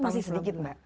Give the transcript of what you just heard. masih sedikit mbak